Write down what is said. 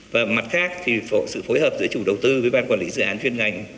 và mặt khác thì sự phối hợp giữa chủ đầu tư với ban quản lý dự án chuyên ngành